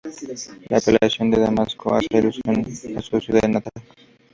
La apelación "de Damasco" hace alusión a su ciudad natal.